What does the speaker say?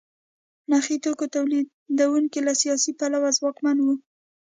نخي توکو تولیدوونکي له سیاسي پلوه ځواکمن وو.